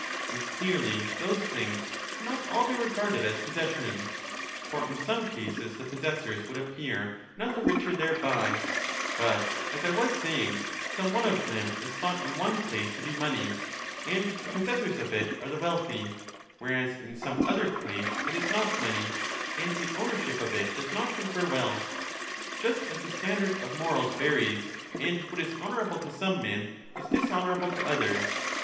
And clearly those things cannot all be regarded as possessions ; for in some cases the possessors would appear none the richer thereby : but, as I was saying, some one of them is thought in one place to be money, and the possessors of it are the wealthy, whereas in some other place it is not money, and the ownership of it does not confer wealth ; just as the standard of morals varies, and what is honourable to some men is dishonourable to others.